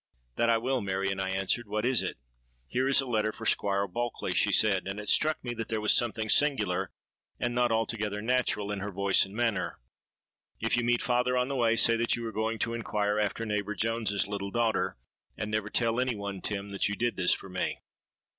'—'That I will, Marion,' I answered. 'What is it?'—'Here is a letter for Squire Bulkeley,' she said; and it struck me that there was something singular, and not altogether natural in her voice and manner. 'If you meet father on the way, say that you are going to inquire after neighbour Jones's little daughter; and never tell any one, Tim, that you did this for me.